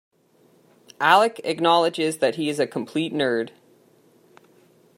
Alec acknowledges that he is a complete nerd.